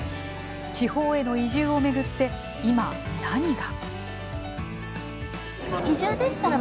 地方への移住をめぐって今、何が。